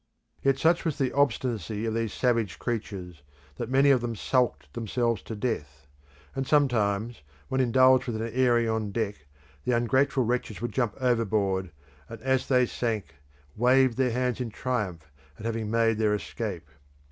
Yet such was the obstinacy of these savage creatures, that many of them sulked themselves to death; and sometimes, when indulged with an airing on deck, the ungrateful wretches would jump overboard, and, as they sank, waved their hands in triumph at having made their escape.